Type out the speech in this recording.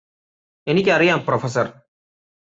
എനിക്കറിയാം പ്രൊഫസര്